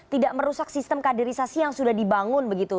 tidak merusak sistem kaderisasi yang sudah dibangun begitu